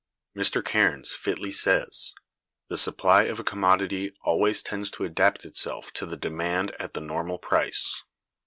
Mr. Cairnes(213) fitly says: "The supply of a commodity always tends to adapt itself to the demand at the normal price.